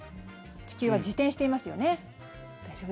地球は自転していますよね。